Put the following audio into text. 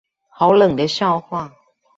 好冷的笑話